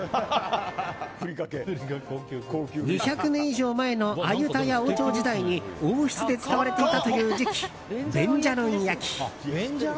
２００年以上前のアユタヤ王朝時代に王室で使われていたという磁器ベンジャロン焼き。